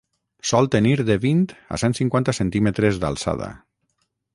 sol tenir de vint a cent-cinquanta centímetres d'alçada